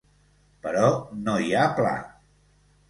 Però no hi ha pla.